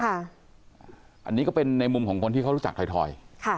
อันนี้ก็เป็นในมุมของคนที่เขารู้จักถอย